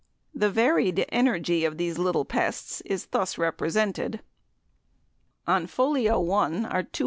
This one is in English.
The varied energy of these little pests is thus represented: On folio 1 are 212 holes.